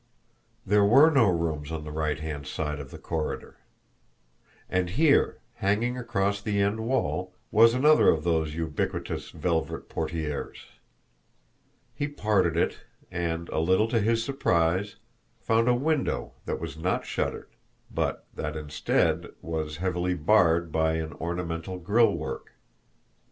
There WERE no rooms on the right hand side of the corridor. And here, hanging across the end wall, was another of those ubiquitous velvet portieres. He parted it, and, a little to his surprise, found a window that was not shuttered, but that, instead, was heavily barred by an ornamental grille work.